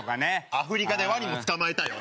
アフリカでワニも捕まえたよ！